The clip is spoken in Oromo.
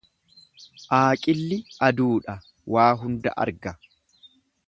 Aaqilli aduudha, waa hunda arga.